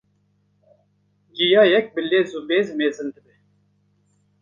giyayek bi lez û bez mezin dibe.